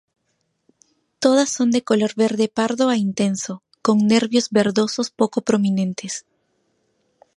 Todas son de color verde pardo a intenso, con nervios verdosos poco prominentes.